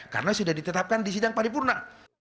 karena sudah ditetapkan di sidang paripurna